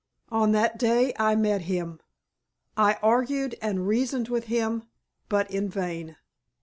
On that day I met him. I argued and reasoned with him, but in vain.